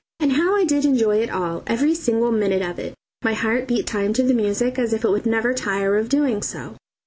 And how I did enjoy it all, every single minute of it! My heart beat time to the music as if it would never tire of doing so.